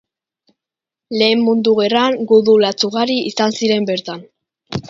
Lehen Mundu Gerran gudu latz ugari izan ziren bertan.